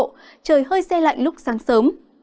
trời hơi xe lạnh lúc sáng sớm